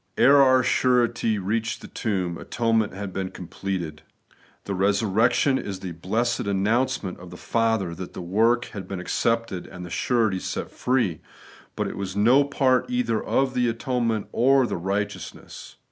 ^ Ere our surety reached the tomb, atonement had been completed. The resurrection is the blessed announcement of the Father that the work had been accepted and the surety set free ; but it was no part either of the atonement or the righteousness.